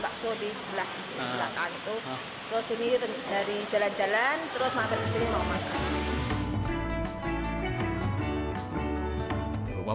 hidangan sederhana ini cukup menggugah selera apalagi dengan pelengkap sambal bawang